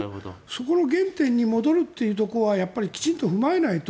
そこの原点に戻るというところはきちんと踏まえないと。